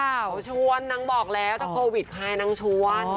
เขาชวนนางบอกแล้วถ้าโควิดใครนางชวน